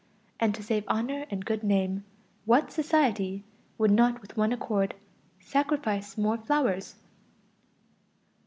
And to save honor and good name, what society would not with one accord sacrifice more "flowers"?